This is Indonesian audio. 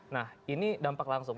nah ini dampak langsung